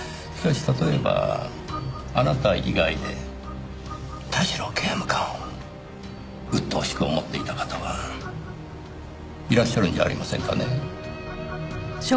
しかし例えばあなた以外で田代刑務官をうっとうしく思っていた方はいらっしゃるんじゃありませんかね？